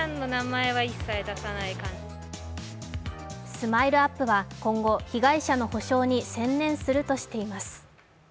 ＳＭＩＬＥ−ＵＰ．は今後、被害者の補償に専念するとしています。